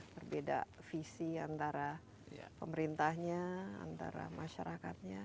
berbeda visi antara pemerintahnya antara masyarakatnya